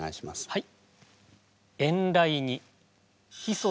はい。